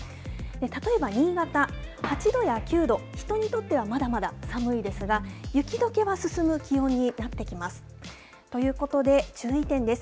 例えば、新潟、８度や９度、人にとってはまだまだ寒いですが、雪どけは進む気温になってきます。